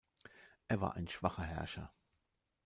Er war ein schwacher Herrscher.